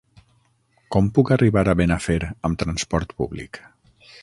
Com puc arribar a Benafer amb transport públic?